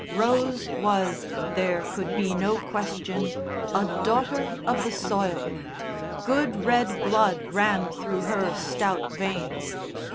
Rose was, there could be no question, a daughter of the soil; good red blood ran through her stout veins.